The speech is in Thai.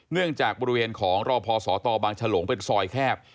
เนื่องจากบริเวณของรอพอสตบางฉลงเป็นซอยแคบ